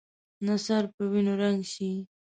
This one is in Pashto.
نه سر په وینو رنګ شي.